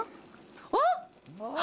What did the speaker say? あっ！